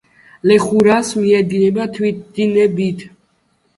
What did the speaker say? ლეხურას; მიედინება თვითდინებით.